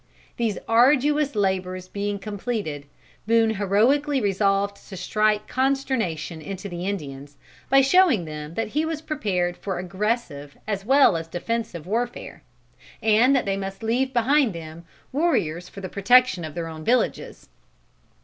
These arduous labors being completed, Boone heroically resolved to strike consternation into the Indians, by showing them that he was prepared for aggressive as well as defensive warfare, and that they must leave behind them warriors for the protection of their own villages.